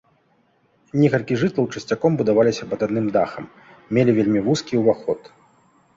Некалькі жытлаў часцяком будаваліся пад адным дахам, мелі вельмі вузкі ўваход.